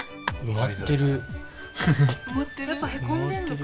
やっぱへこんでんのかな。